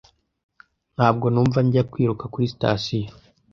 Ntabwo numva njya kwiruka kuri sitasiyo.